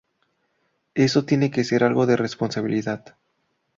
Eso tiene que ser algo de responsabilidad.